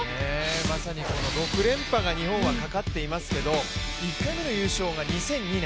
まさに６連覇が日本は、かかっていますけど１回目の優勝が２００２年